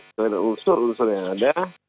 terhadap unsur unsur yang ada